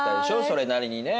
それなりにね。